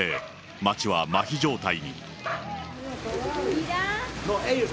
街はまひ状態に。